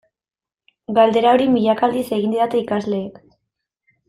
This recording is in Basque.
Galdera hori milaka aldiz egin didate ikasleek.